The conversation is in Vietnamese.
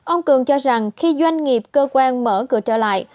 ông cường cho rằng khi doanh nghiệp cơ quan mở cửa trở lại